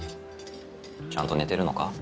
ちゃんと寝てるのか？